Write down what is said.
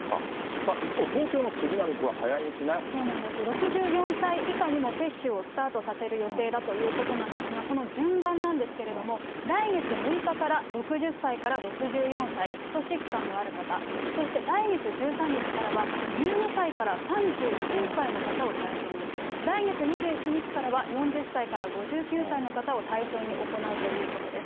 さあ、一方、そうなんです、６４歳以下にも接種をスタートさせる予定だということなんですが、その順番なんですけれども、来月６日から６０歳から６４歳、基礎疾患のある方、そして来月１３日からは、１２歳から３９歳の方を対象に、来月２７日からは４０歳から５９歳の方を対象に行うということです。